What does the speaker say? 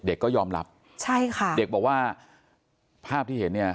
เด็กก็ยอมรับใช่ค่ะเด็กบอกว่าภาพที่เห็นเนี่ย